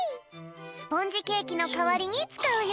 スポンジケーキのかわりにつかうよ。